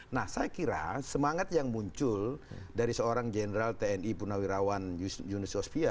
nah saya kira semangat yang muncul dari seorang general tni purnawirawan yunus yosvia